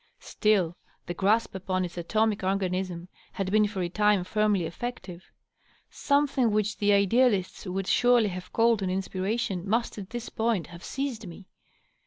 Still, the grasp upon its atomic organism had been for a time firmly effective. Something which the idealists would surely have called an inspiration must at this point have seized me.